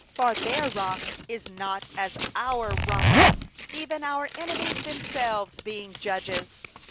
31For their rock is not as our Rock, Even our enemies themselves being judges.